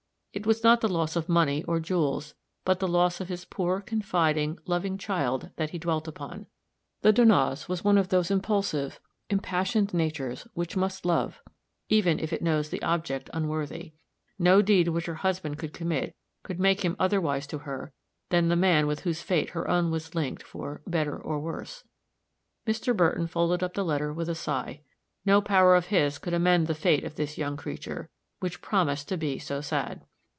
It was not the loss of money or jewels, but the loss of his poor, confiding, loving child, that he dwelt upon. The Donna's was one of those impulsive, impassioned natures which must love, even if it knows the object unworthy. No deed which her husband could commit could make him otherwise to her than the man with whose fate her own was linked for "better or worse." Mr. Burton folded up the letter with a sigh; no power of his could amend the fate of this young creature, which promised to be so sad.